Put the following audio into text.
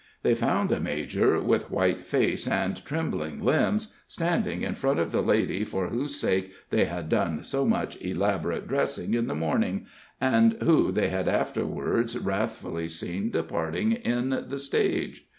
They found the major, with white face and trembling limbs, standing in front of the lady for whose sake they had done so much elaborate dressing in the morning, and who they had afterwards wrathfully seen departing in the stage.